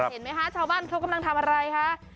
เห็นไหมคะชาวบ้านเขากำลังทำอะไรคะ